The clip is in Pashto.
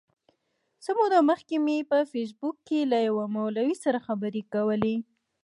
څه موده مخکي مي په فېسبوک کي له یوه مولوي سره خبري کولې.